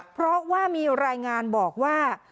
เพราะว่ามีรายงานบอกว่า